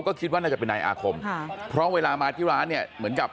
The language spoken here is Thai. ก็คิดว่าน่าจะเป็นนายอาคมค่ะเพราะเวลามาที่ร้านเนี่ยเหมือนกับ